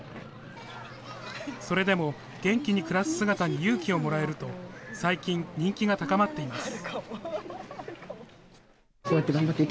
それでも、元気に暮らす姿に勇気をもらえると、最近、人気が高まっています。